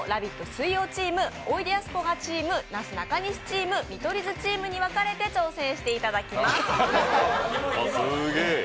水曜チームおいでやすこがチーム、なすなかにしチーム、見取り図チームに分かれて挑戦していただきます。